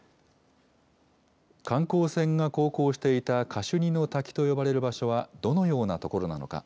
観光船が航行していたカシュニの滝と呼ばれる場所は、どのような所なのか。